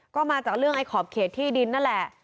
ก็มาจากเรื่องไอ้ขอบเขตที่ดินนั่นแหละ